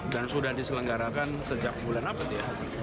dan sudah diselenggarakan sejak bulan apel ya